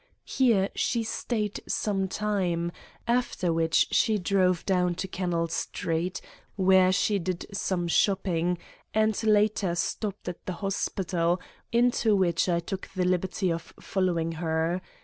Here she stayed some time, after which she drove down to Canal Street, where she did some shopping, and later stopped at the hospital, into which I took the liberty of following her.